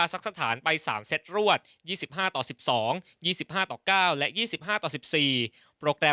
เสียบอลเซิร์ฟเยอะครับ